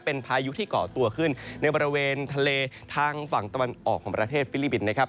เป็นพายุที่เกาะตัวขึ้นในบริเวณทะเลทางฝั่งตะวันออกของประเทศฟิลิปปินส์นะครับ